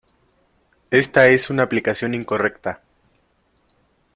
Esta es una aplicación incorrecta.